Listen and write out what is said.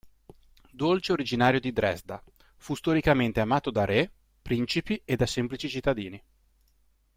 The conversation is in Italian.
Dolce originario di Dresda, fu storicamente amato da re, principi e da semplici cittadini.